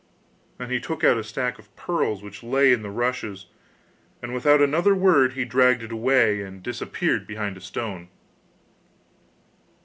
Then he took out a sack of pearls which lay in the rushes, and without another word he dragged it away and disappeared behind a stone.